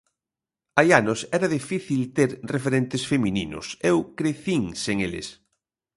Hai anos era difícil ter referentes femininos, eu crecín sen eles.